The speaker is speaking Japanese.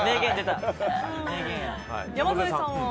山添さんは？